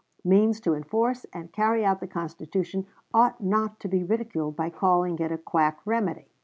Means to enforce and carry out the Constitution ought not to be ridiculed by calling it a quack remedy.